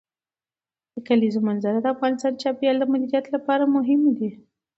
د کلیزو منظره د افغانستان د چاپیریال د مدیریت لپاره مهم دي.